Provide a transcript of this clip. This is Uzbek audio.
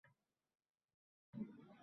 Kitob menda juda katta taassurot qoldirgan